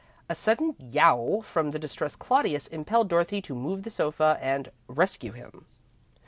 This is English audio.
A sudden yowl from the distressed Claudius impelled Dorothy to move the sofa and rescue him.